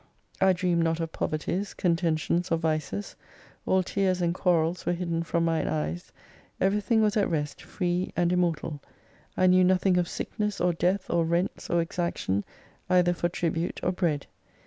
I dreamed not of poverties, contentions or vices. All tears and quarrels were hidden from mine eyes. Everything was at rest, free and immortal. I knew nothing of sick ness or death or rents or exaction, either for tribute or bread.